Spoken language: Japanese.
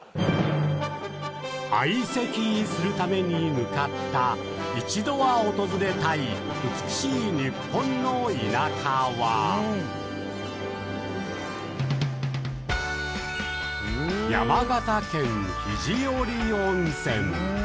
相席するために向かった一度は訪れたい美しい日本の田舎は山形県肘折温泉。